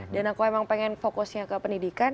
dan aku emang pengen fokusnya ke pendidikan